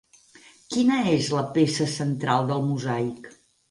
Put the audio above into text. Quina és la peça central del mosaic?